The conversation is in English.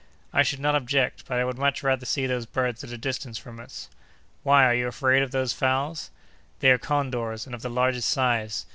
"I should not object, but I would much rather see those birds at a distance from us!" "Why, are you afraid of those fowls?" "They are condors, and of the largest size.